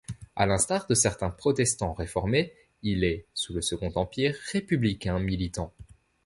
À l'instar de certains protestants réformés, il est, sous le Second Empire, républicain militant.